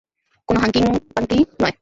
কোনো হাংকি-পাংকি নয়।